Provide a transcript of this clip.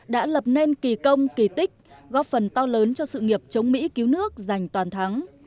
đã lập nên kỳ công kỳ tích góp phần to lớn cho sự nghiệp chống mỹ cứu nước giành toàn thắng